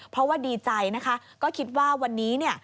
เพราะว่าดีใจนะคะก็คิดว่าวันนี้เนี่ย